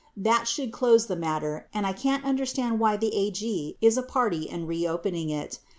That should close the matter and I can't under stand why the AG is a party in reopening it.